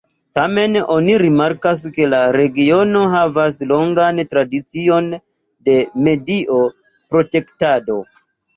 Tamen oni rimarkas ke la regiono havas longan tradicion de medio-protektado.